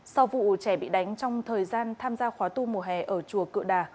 sau vụ trẻ bị đánh trong thời gian tham gia khóa tu mùa hè ở chùa cựa đà